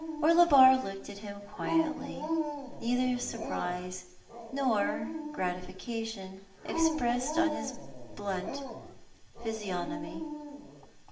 Orlebar looked at him quietly, neither surprise nor gratifica tion expressed upon his blunt physiognomy.